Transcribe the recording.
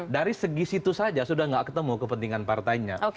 dari segi situ saja sudah tidak ketemu kepentingan partainya